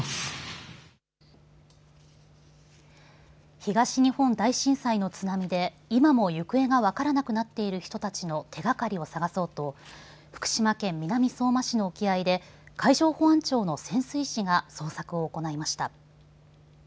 東日本大震災の津波で今も行方が分からなくなっている人たちの手がかりをさがそうと福島県南相馬市の沖合で海上保安庁の潜水士が捜索を行いました。